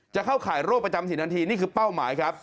เข้าข่ายโรคประจำถิ่นทันทีนี่คือเป้าหมายครับ